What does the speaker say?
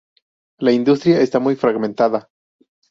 La industria está muy fragmentada.